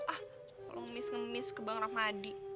ah lo ngemis ngemis ke bang rahmadi